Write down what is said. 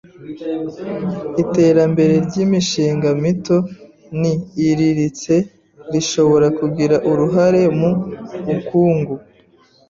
Iterambere ry'imishinga mito n'iiriritse rishoora kugira uruhare mu ukungu